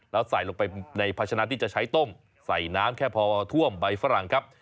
แล้วใส่ลงไปในภาชนะที่จะใช้ต้มใส่น้ำแค่พอท่วมใบฝรั่งครับ